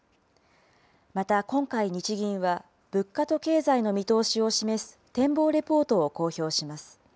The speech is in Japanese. また、今回日銀は、物価と経済の見通しを示す、展望レポートを公表します。